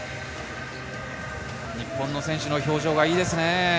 日本の選手の表情はいいですね。